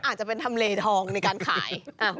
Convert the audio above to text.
อาจจะเป็นทำเลทองในการขาย